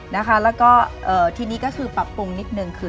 แล้วก็ทีนี้ก็คือปรับปรุงนิดนึงคือ